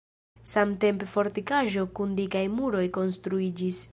Samtempe fortikaĵo kun dikaj muroj konstruiĝis.